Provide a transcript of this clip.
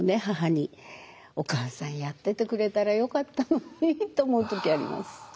母に「お母さんやっててくれたらよかったのに」と思う時あります。